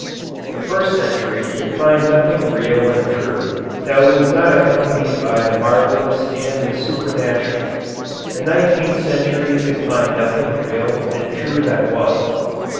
"The first century could find nothing real and true that was not accompanied by the marvellous and the 'supernatural.' The nineteenth century could find nothing real and true that was.